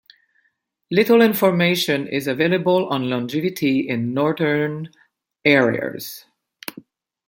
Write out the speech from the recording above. Little information is available on longevity in northern harriers.